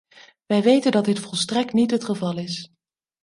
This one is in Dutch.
Wij weten dat dit volstrekt niet het geval is.